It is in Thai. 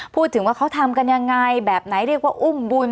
พูดถึงว่าเขาทำกันยังไงแบบไหนเรียกว่าอุ้มบุญ